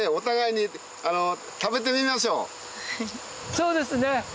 そうですね！